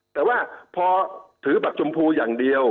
แต่ว่าพอถือบัตรชมพูอย่างเดียว